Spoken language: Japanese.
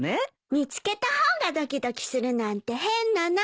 見つけた方がドキドキするなんて変なの。